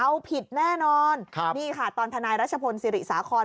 เอาผิดแน่นอนครับนี่ค่ะตอนทนายรัชพลศิริสาคร